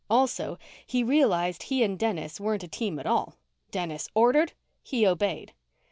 Also, he realized he and Dennis weren't a team at all. Dennis ordered; he obeyed.